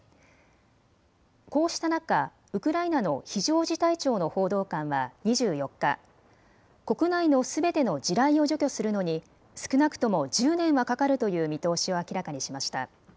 こうした中、ウクライナの非常事態庁の報道官は２４日、国内のすべての地雷を除去するのに少なくとも１０年はかかるという見通しを明らかにしました。